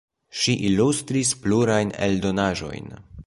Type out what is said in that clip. Ŝi ilustris plurajn eldonaĵojn.